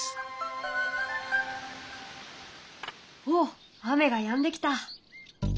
おっ雨がやんできた。